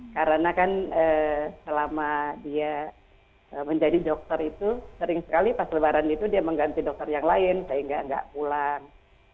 karena kan selama dia menjadi dokter itu sering sekali pas lebaran itu dia mengganti dokter yang lain sehingga enggak pulang